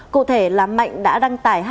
cụ thể là mạnh đã đăng tải hai hiệu